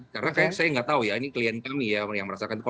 karena saya nggak tahu ya ini klien kami yang merasakan